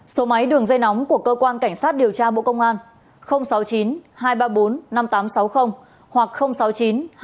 số máy đường dây nóng của cơ quan cảnh sát điều tra bộ công an sáu mươi chín hai trăm ba mươi bốn năm nghìn tám trăm sáu mươi hoặc sáu mươi chín hai trăm ba mươi hai một nghìn sáu trăm sáu mươi bảy